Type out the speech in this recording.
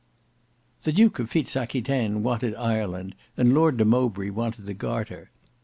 The Duke of Fitz Aquitaine wanted Ireland and Lord de Mowbray wanted the Garter.